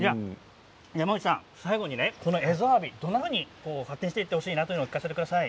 山内さん、最後にエゾアワビどんなふうに発展していってほしいと思いますか。